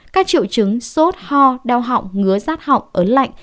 các triệu chứng sốt ho đau họng ngứa rát họng ớn lạnh